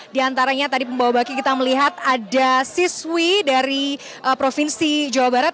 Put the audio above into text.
di antaranya tadi pembawa baki kita melihat ada siswi dari provinsi jawa barat